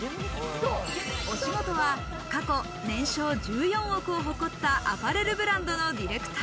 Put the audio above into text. お仕事は過去、年商１４億円を誇ったアパレルブランドのディレクター。